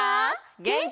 げんき！